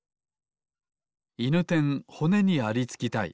いぬてんほねにありつきたい。